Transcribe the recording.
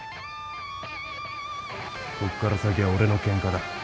こっから先は俺のケンカだ。